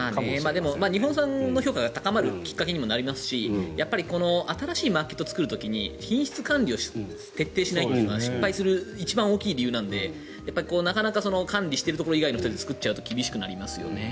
でも日本産の評価が高まるきっかけになりますし新しいマーケットを作るときに品質管理を徹底しないというのは失敗する一番大きな理由なのでなかなか管理しているところ以外で作ると厳しくなりますね。